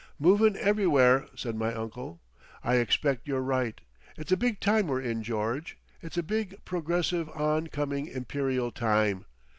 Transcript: "Movin' everywhere," said my uncle. "I expect you're right.... It's a big time we're in, George. It's a big Progressive On coming Imperial Time.